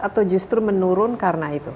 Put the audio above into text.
atau justru menurun karena itu